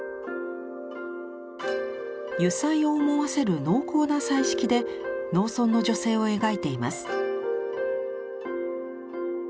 油彩を思わせる濃厚な彩色で農村の女性を描いています。